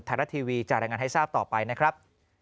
ไทยรัฐทีวีจะรายงานให้ทราบต่อไปนะครับ